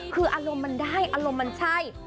คืออารมณ์มันได้อารมณ์มันใช่